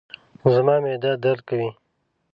زما معده درد کوي